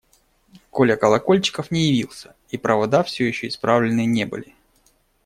Коля Колокольчиков не явился, и провода все еще исправлены не были.